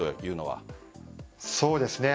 そうですね。